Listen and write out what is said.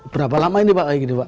berapa lama ini pak kayak gini pak